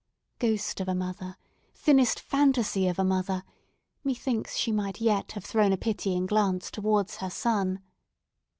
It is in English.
Ghost of a mother—thinnest fantasy of a mother—methinks she might yet have thrown a pitying glance towards her son!